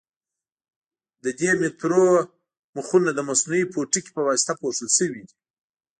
د دې مترونو مخونه د مصنوعي پوټکي په واسطه پوښل شوي دي.